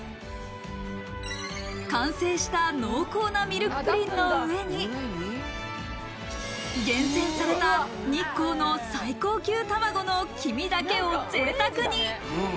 完成した濃厚なプリンの上に厳選された日光の最高級卵の黄身だけをぜいたくに。